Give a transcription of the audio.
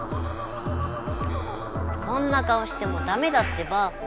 そんな顔してもダメだってば。